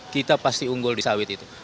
kita pasti unggul di sawit itu